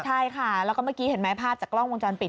ใช่ค่ะแล้วก็เมื่อกี้เห็นไหมภาพจากกล้องวงจรปิด